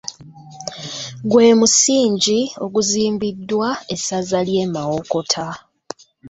Gwe musingi okuzimbiddwa essaza ly'e Mawokota.